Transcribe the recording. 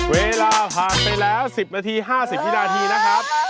เวลาผ่านไปแล้ว๑๐นาที๕๐วินาทีนะครับ